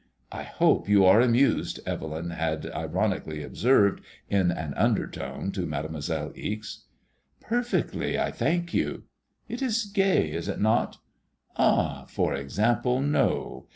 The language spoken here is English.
'* I hope you are amused,*' Evel)m had ironically observed, in an undertone to Mademoiselle Ixe. 5t MADKMOISSLLB KB. " Perfectly, I thank you.*' " It is gay, is it not ?" ''Ah I for example, no.